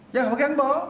dân không có gắn bó